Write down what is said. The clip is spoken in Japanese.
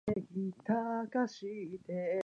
ありがとう。ごめんな